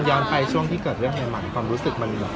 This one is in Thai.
ย้อนไปช่วงที่เกิดเรื่องใหม่ความรู้สึกมันแบบ